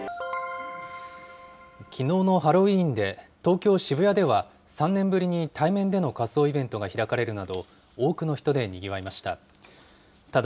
きのうのハロウィーンで、東京・渋谷では３年ぶりに対面での仮装イベントが開かれるなど、多くの人でにぎわいました。